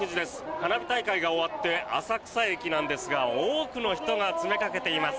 花火大会が終わって浅草駅なんですが多くの人が詰めかけています。